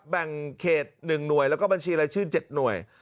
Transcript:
แบ่งเขต๑หน่วยแล้วก็บัญชีรายชื่อ๗หน่วย